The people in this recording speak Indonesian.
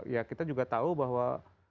ya kita juga tahu bahwa